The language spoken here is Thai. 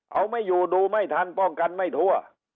เอาไม่อยู่ดูไม่ทันป้องกันไม่ทั่ว